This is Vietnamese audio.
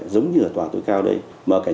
giống như là tòa tối cao đây